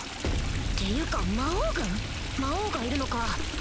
っていうか魔王軍⁉魔王がいるのか